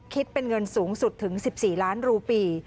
คิดเป็นเงินสูงสุดถึง๑๔ล้านรูปี